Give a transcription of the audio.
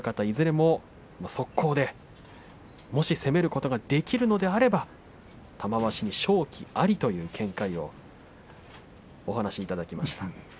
いずれも速攻でもし攻めることができるのであれば玉鷲に勝機ありという見解をお話いただきました。